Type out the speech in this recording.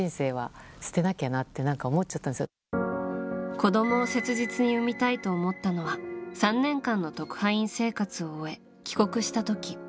子供を切実に産みたいと思ったのは３年間の特派員生活を終え帰国した時。